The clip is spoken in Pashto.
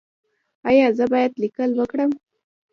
ایا زه باید لیکل وکړم؟